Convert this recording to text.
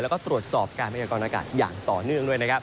แล้วก็ตรวจสอบการพยากรณากาศอย่างต่อเนื่องด้วยนะครับ